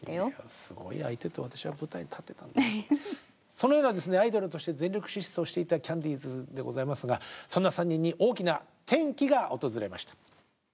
そのようなアイドルとして全力疾走していたキャンディーズでございますがそんな３人に大きな転機が訪れました。